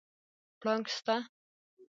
پړانګ سته؟